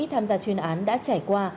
tham gia chuyên án đã trải qua